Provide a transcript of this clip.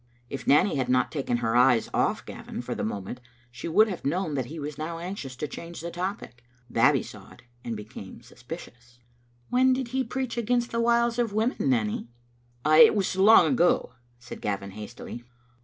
If Nanny had not taken her eyes off Gavin for the moment she would have known that he was now anxious to change the topic. Babbie saw it, and became suspicious. Digitized by VjOOQ IC Secon^ Sermon Bdainet momeiu iso ••When did he preach against the wiles of women, Nanny?" " It was long ago," said Gavin, hastily.